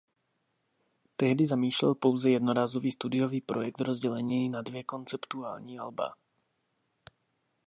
Tehdy zamýšlel pouze jednorázový studiový projekt rozdělený na dvě konceptuální alba.